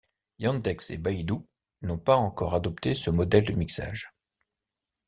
Yandex et Baidu n'ont pas encore adopté ce modèle de mixage.